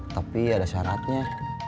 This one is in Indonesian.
tapi ada syaratnya